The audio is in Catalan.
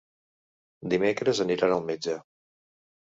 Dimecres aniran al metge.